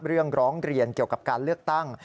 ร้องเรียนเกี่ยวกับการเลือกตั้ง